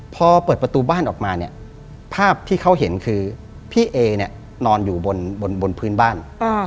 พอเปิดประตูบ้านออกมาเนี่ยภาพที่เขาเห็นคือพี่เอเนี่ยนอนอยู่บนพื้นบ้าน